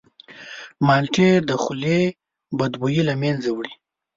مالټې د خولې بدبویي له منځه وړي.